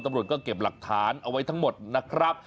ตำรวจก็เก็บหลักฐานเอาไว้ทั้งหมดนะครับ